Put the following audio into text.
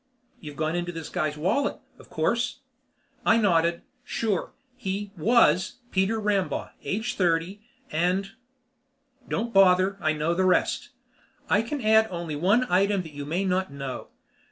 "You've gone into this guy's wallet, of course?" I nodded. "Sure. He was Peter Rambaugh, age thirty, and " "Don't bother. I know the rest. I can add only one item that you may not know.